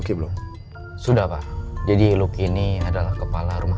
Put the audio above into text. saya sudah bisa hijau kamu sekalian